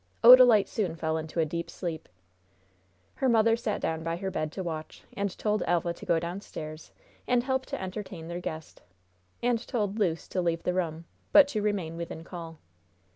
Odalite soon fell into a deep sleep. Her mother sat down by her bed to watch, and told Elva to go downstairs and help to entertain their guest; and told Luce to leave the room, but to remain within call.